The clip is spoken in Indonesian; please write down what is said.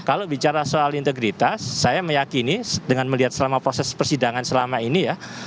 kalau bicara soal integritas saya meyakini dengan melihat selama proses persidangan selama ini ya